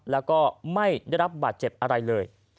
แล้วก็ไม่ได้รับบาดเจ็บอะไรเลย